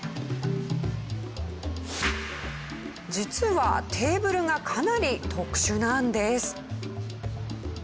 実はテーブルがかなり特殊なんです。